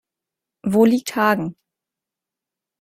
Wo liegt Hagen?